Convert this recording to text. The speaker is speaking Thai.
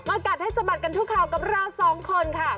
กัดให้สะบัดกันทุกข่าวกับเราสองคนค่ะ